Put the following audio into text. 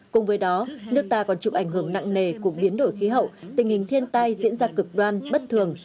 cùng với đó nước ta còn chịu ảnh hưởng nặng nề của biến đổi khí hậu tình hình thiên tai diễn ra cực đoan bất thường